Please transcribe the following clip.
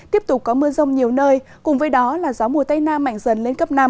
tiếp tục có mưa rông nhiều nơi cùng với đó là gió mùa tây nam mạnh dần lên cấp năm